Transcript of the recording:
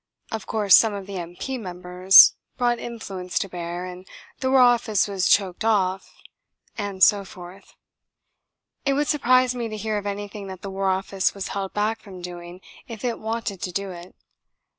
Of course some of the M.P. members brought influence to bear, and the War Office was choked off...." And so forth. It would surprise me to hear of anything that the War Office was held back from doing if it wanted to do it.